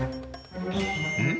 うん？